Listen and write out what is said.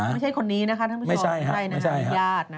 ไม่ใช่คนนี้นะท่านผู้ชอบใช่นะครับยาด